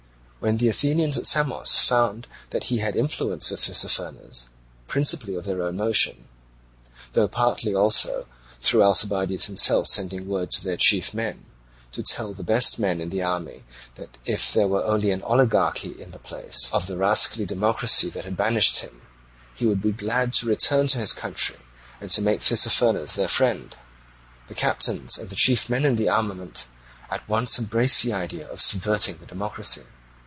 When the Athenians at Samos found that he had influence with Tissaphernes, principally of their own motion (though partly also through Alcibiades himself sending word to their chief men to tell the best men in the army that, if there were only an oligarchy in the place of the rascally democracy that had banished him, he would be glad to return to his country and to make Tissaphernes their friend), the captains and chief men in the armament at once embraced the idea of subverting the democracy.